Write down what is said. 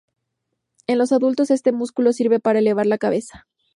En los adultos este músculo sirve para elevar la cabeza.